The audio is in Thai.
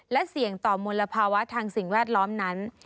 และเสี่ยงต่อมลภาวะทางสิ่งแวดล้อมนั้น